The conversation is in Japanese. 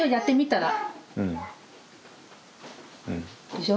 でしょ。